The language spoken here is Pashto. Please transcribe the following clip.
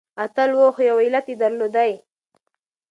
اتل و خو يو علت يې درلودی .